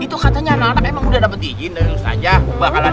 itu katanya anak anak emang udah dapet izin dari ustazah